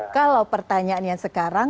kalau pertanyaan yang sekarang